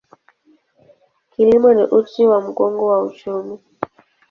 Kilimo ni uti wa mgongo wa uchumi.